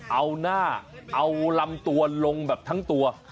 เอาหน้าเอาลำตัวลงแบบทั้งตัว